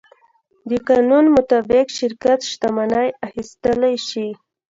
د قانون مطابق شرکت شتمنۍ اخیستلی شي.